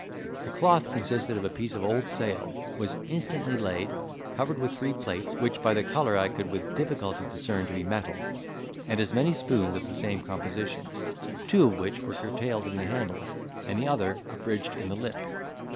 The cloth, consisting of a piece of an old sail, was instantly laid, covered with three plates, which by the colour I could with difficulty discern to be metal, and as many spoons of the same composition, two of which were curtailed in the handles, and the other abridged in the lip.